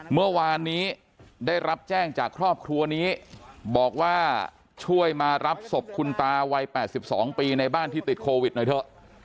เมื่อวานนี้ได้รับแจ้งจากครอบครัวนี้บอกว่าช่วยมารับศพคุณตาวัย๘๒ปีในบ้านที่ติดโควิดหน่อยเถอะ